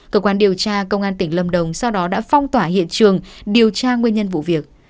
cơ quan điều tra công an tỉnh lâm đồng sau đó đã phong tỏa hiện trường điều tra nguyên nhân vụ việc